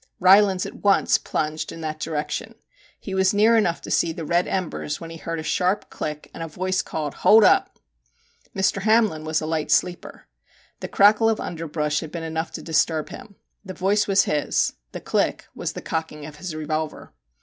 Rylands at once plunged in that direction ; he was near enough to see the red embers when he heard a sharp click, and a voice called 1 Hold up!' Mr. Hamlin was a light sleeper. The crackle of underbrush had been enough to disturb him. The voice was his ; the click was the cocking of his revolver.